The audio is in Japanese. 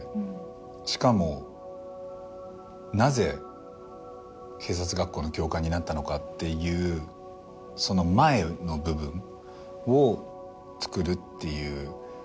しかもなぜ警察学校の教官になったのかっていうその前の部分をつくるっていう話だったので。